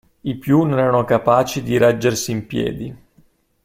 I più non erano capaci di reggersi in piedi.